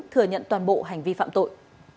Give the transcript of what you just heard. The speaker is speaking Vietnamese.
thừa nhận toàn bộ hành vi phạm tội